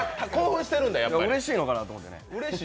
うれしいのかなって思ってね。